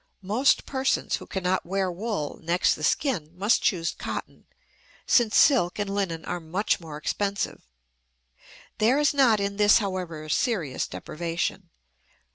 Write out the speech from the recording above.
Most persons who cannot wear wool next the skin must choose cotton, since silk and linen are much more expensive; there is not in this, however, a serious deprivation.